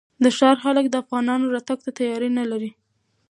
د ښار خلک د افغانانو راتګ ته تیاری نه لري.